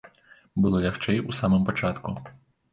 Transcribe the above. Было лягчэй ў самым пачатку.